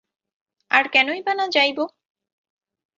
আর কেনই বা না যাইব।